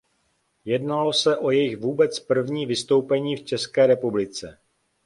Jednalo se o jejich vůbec první vystoupení v České republice.